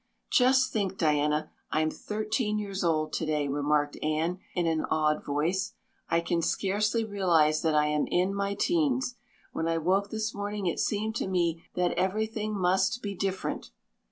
"Just think, Diana, I'm thirteen years old today," remarked Anne in an awed voice. "I can scarcely realize that I'm in my teens. When I woke this morning it seemed to me that everything must be different.